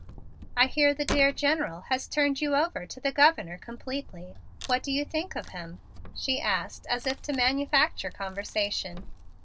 "I hear the dear General has turned you over to the Governor completely. What do you think of him?" she asked as if to manufacture conversation.